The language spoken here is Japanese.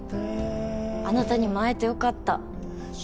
あなたにも会えて良かった。